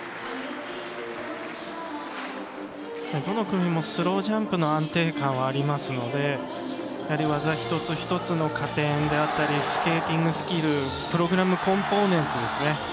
どの組もスロージャンプの安定感はありますので技一つ一つの加点であったりスケーティングスキルプログラムコンポーネンツですね